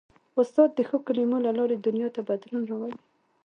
استاد د ښو کلمو له لارې دنیا ته بدلون راولي.